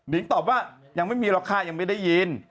ตอบว่ายังไม่มีหรอกค่ะยังไม่ได้ยิน